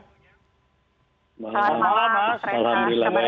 selamat malam pak trenka